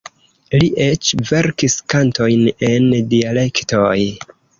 Li eĉ verkis kantojn en dialektoj.